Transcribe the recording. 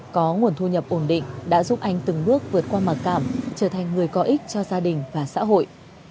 có nguồn thu nhập ổn định đã giúp anh từng bước vượt qua mặc cảm trở thành người có ích cho gia đình và xã hội